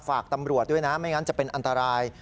ฝากตำรวจด้วยนะไม่งั้นจะเป็นอันตราย